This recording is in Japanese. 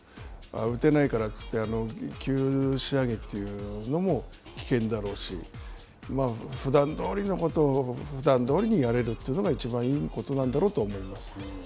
打てないからといって、急仕上げというのも危険だろうし、ふだんどおりのことをふだんどおりにやれるというのがいちばんいいことなんだろうと思います。